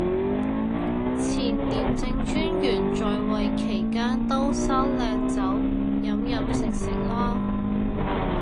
前廉政專員在位期間都收靚酒飲飲食食啦